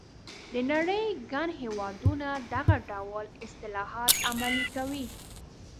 د نړۍ ګڼ هېوادونه دغه ډول اصلاحات عملي کوي.